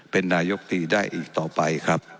เป็นนายกตรีได้อีกต่อไปครับ